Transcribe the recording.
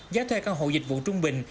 giá thuê căn hộ dịch vụ trung bình